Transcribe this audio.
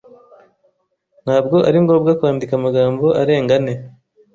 Ntabwo ari ngombwa kwandika amagambo arenga ane.